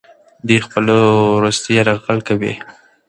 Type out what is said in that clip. دوی خپل وروستی یرغل کوي.